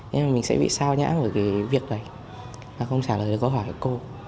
nhưng mà mình sẽ bị sao nhãn ở cái việc này và không trả lời được câu hỏi của cô